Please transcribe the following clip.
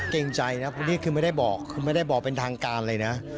เกรงใจนะพวกนี้คือไม่ได้บอกเป็นทางการเลยนะ